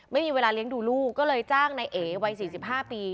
ไม่มีเวลาเลี้ยงดูลูกก็เลยจ้างนายเอ๋วัย๔๕ปี